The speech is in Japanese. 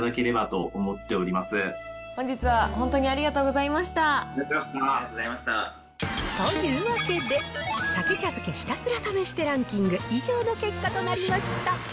というわけで、さけ茶漬けひたすら試してランキング、以上の結果となりました。